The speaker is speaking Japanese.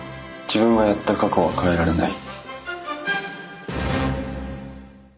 自分がやった過去は変えられない。